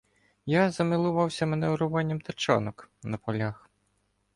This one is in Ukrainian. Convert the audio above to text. Я замилувався маневруванням тачанок на полях.